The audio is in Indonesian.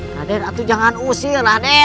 raden jangan usir